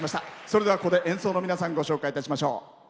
それでは演奏の皆さんご紹介いたしましょう。